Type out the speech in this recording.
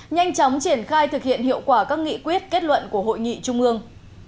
nhanh chóng triển khai thực hiện hiệu quả các nghị quyết kết luận của hội nghị trung ương